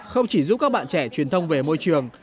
không chỉ giúp các bạn trẻ truyền thông về môi trường